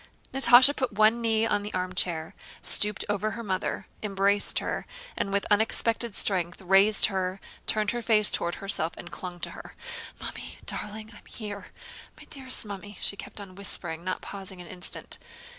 Natásha put one knee on the armchair, stooped over her mother, embraced her, and with unexpected strength raised her, turned her face toward herself, and clung to her. "Mummy!... darling!... I am here, my dearest Mummy," she kept on whispering, not pausing an instant.